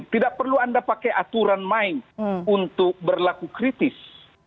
tidak perlu anda pakai aturan main untuk berlaku kritis